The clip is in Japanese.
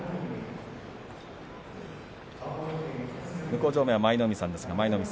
向正面は舞の海さんです。